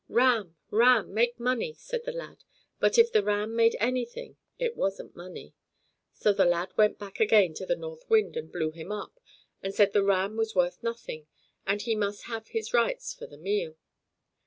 "Ram, ram! make money!" said the lad; but if the ram made anything it wasn't money. So the lad went back again to the North Wind and blew him up, and said the ram was worth nothing, and he must have his rights for the meal.